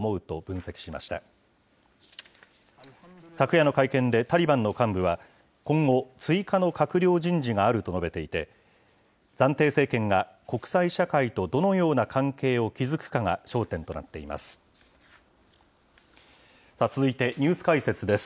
昨夜の会見でタリバンの幹部は、今後、追加の閣僚人事があると述べていて、暫定政権が国際社会とどのような関係を築くかが焦点となります。